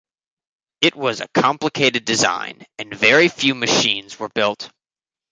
It was a complicated design and very few machines were built.